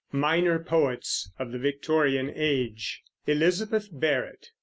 MINOR POETS OF THE VISTORIAN AGE ELIZABETH BARRETT.